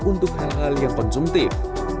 untuk hal hal yang konsumtif